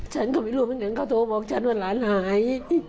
ฉันก็ไม่รู้เหมือนกันเขาโทรบอกฉันว่าหลานหาย